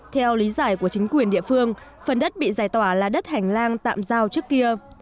theo lý giải của chính quyền địa phương phần đất bị giải tỏa là đất hành lang tạm giao trước kia